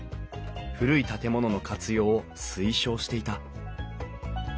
古い建物の活用を推奨していた